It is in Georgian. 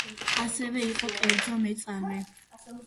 ასევე იყო კერძო მეწარმე.